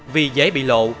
vì giấy bị lộ